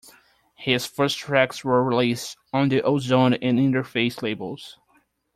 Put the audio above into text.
His first tracks were released on the Ozone and Interface labels.